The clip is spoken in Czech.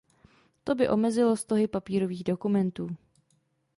To by omezilo stohy papírových dokumentů.